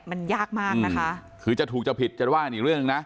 มันยากมากนะคะคือจะถูกจะผิดจะว่าอีกเรื่องหนึ่งนะ